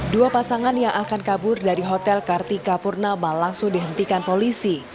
dua pasangan yang akan kabur dari hotel kartika purnama langsung dihentikan polisi